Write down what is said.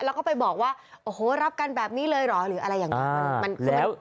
แล้วก็ไปบอกว่าโอ้โหรับกันแบบนี้เลยเหรอหรืออะไรอย่างนี้